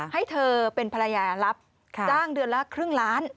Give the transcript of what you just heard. ให้เธอเป็นภรรยารับจ้างเดือนละครึ่งล้าน